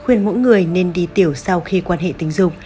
khuyên mỗi người nên đi tiểu sau khi quan hệ tình dục